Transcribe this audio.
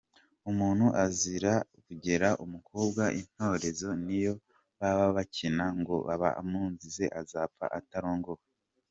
Umuntu azira kugera umukobwa intorezo niyo baba bakina, ngo aba amuzinze akazapfa atarongowe.